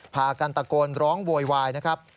พากันตะโกนร้องโวยวายนะครับ